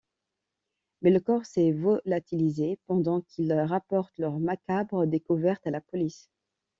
Mais le corps s'est volatilisé pendant qu'ils rapportent leur macabre découverte à la police.